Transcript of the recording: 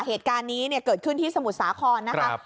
เหตุการณ์นี้เนี้ยเกิดขึ้นที่สมุทรสาธารณ์ครณ์นะคะ